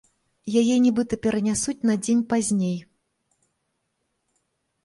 Яе нібыта перанясуць на дзень пазней.